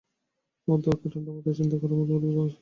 আমার দরকার ঠাণ্ডামাথায় চিন্তা করার মতো পরিবেশ, মানসিক শান্তি।